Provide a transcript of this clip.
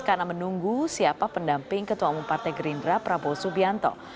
karena menunggu siapa pendamping ketua umum partai gerindra prabowo subianto